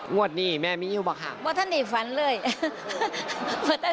งวดนี่แม่มีอยู่หรือเปล่าค่ะ